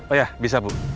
oh ya bisa bu